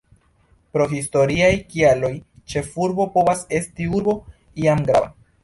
Pro historiaj kialoj, ĉefurbo povas esti urbo iam grava.